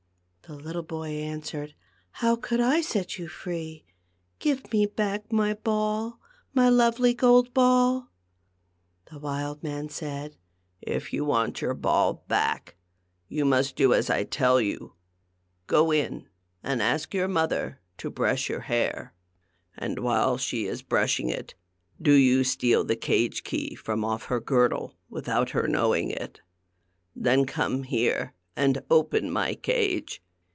The little boy answered, " How could I set you free ? Give me back my ball — my lovely gold ball !" The wild man said, " If you want your ball back, you must do as I tell you. Go in and ask your mother to brush your hair, and while she is 260 THE GLASS MOUNTAIN. brushing it, do you steal the cage key from off' her girdle, without her knowing it. Then come here and open my cage.